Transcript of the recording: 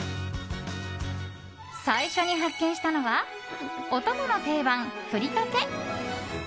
最初に発見したのはお供の定番、ふりかけ。